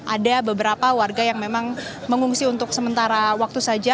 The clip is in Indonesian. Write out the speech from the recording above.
ada beberapa warga yang memang mengungsi untuk sementara waktu saja